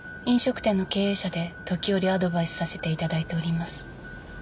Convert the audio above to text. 飲食店の経営者で時折アドバイスさせていただいております。